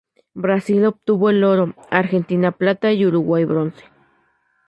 Brasil obtuvo el oro, Argentina plata y Uruguay bronce.